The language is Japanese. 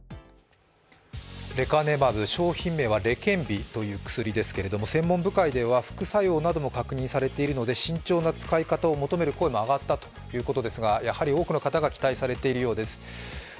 レカネマブ、商品名はレケンビといいますが専門部会では副作用なども確認されているので慎重な使い方を求める声も上がったということですが、やはり多くの方が期待されているようです。